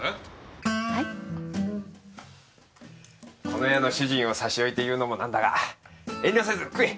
この家の主人を差し置いて言うのも何だが遠慮せず食え。